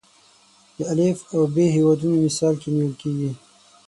د الف او ب هیوادونه مثال کې نیول کېږي.